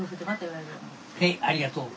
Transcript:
はいありがとう。